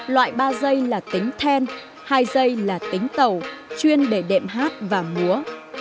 loại ba dây là tính then hai dây là tính tẩu chuyên để đệm hát và múa